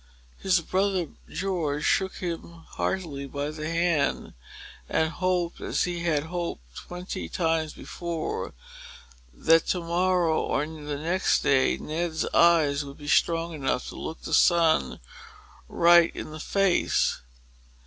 His brother George shook him heartily by the hand, and hoped, as he had hoped twenty times before, that to morrow or the next day, Ned's eyes would be strong enough to look the sun right in the face.